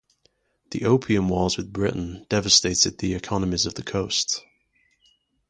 The Opium Wars with Britain devastated the economies of the coast.